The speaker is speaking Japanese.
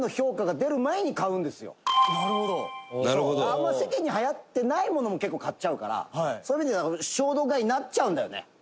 「あんまり世間に流行ってないものも結構買っちゃうからそういう意味では衝動買いになっちゃうんだよね」